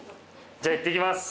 じゃあいってきます